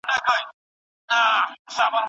د دې هیندارې په بیدیا کې په سرابو لامبي.